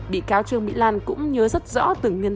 bị cáo trương mỹ lan cũng nhớ rất rõ